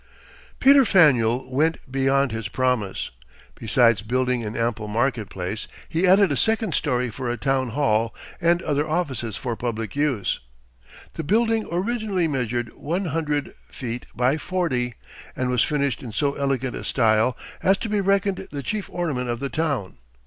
Peter Faneuil went beyond his promise. Besides building an ample market place, he added a second story for a town hall, and other offices for public use. The building originally measured one hundred feet by forty, and was finished in so elegant a style as to be reckoned the chief ornament of the town.